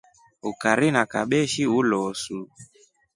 Ukari na kabeshi ulosu.